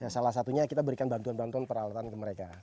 salah satunya kita berikan bantuan bantuan peralatan ke mereka